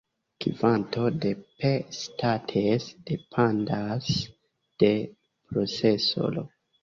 Kvanto de "P-States" dependas de procesoro.